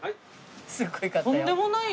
すごい買ったよ。